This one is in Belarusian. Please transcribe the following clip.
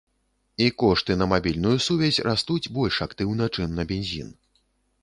І кошты на мабільную сувязь растуць больш актыўна, чым на бензін.